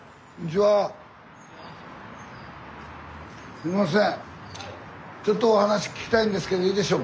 あすいません